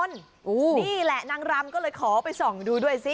นี่แหละนางรำก็เลยขอไปส่องดูด้วยซิ